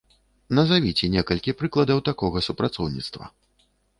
Назавіце некалькі прыкладаў такога супрацоўніцтва.